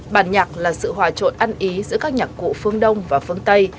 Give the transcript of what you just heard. bản nhạc là sự hòa trộn ăn ý giữa các nhạc cụ phương đông và phương tây